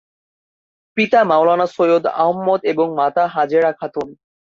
পিতা মাওলানা সৈয়দ আহমদ এবং মাতা হাজেরা খাতুন।